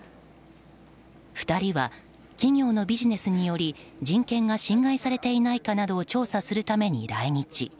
２人は企業のビジネスにより人権が侵害されていないかなどを調査するために来日。